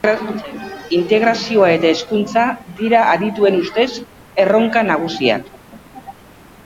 Integrazioa eta hezkuntza dira adituen ustez, erronka nagusiak.